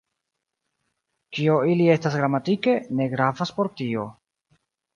Kio ili estas gramatike, ne gravas por tio.